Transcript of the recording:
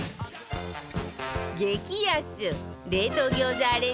激安冷凍餃子アレンジ